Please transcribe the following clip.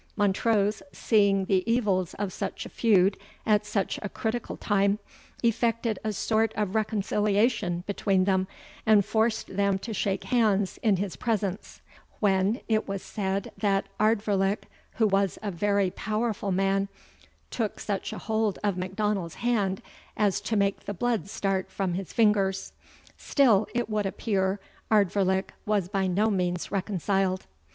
Montrose, seeing the evils of such a feud at such a critical time, effected a sort of reconciliation between them, and forced them to shake hands in his presence; when, it was said, that Ardvoirlich, who was a very powerful man, took such a hold of Macdonald's hand as to make the blood start from his fingers. Still, it would appear, Ardvoirlich was by no means reconciled.